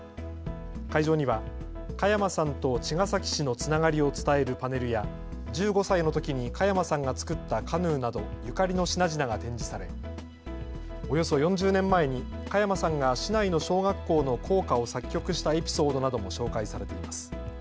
会場には加山さんと茅ヶ崎市のつながりを伝えるパネルや１５歳のときに加山さんが作ったカヌーなどゆかりの品々が展示されおよそ４０年前に加山さんが市内の小学校の校歌を作曲したエピソードなども紹介されています。